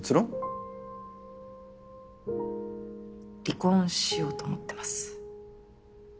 離婚しようと思ってます。